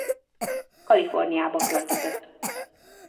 Kaliforniába költözött.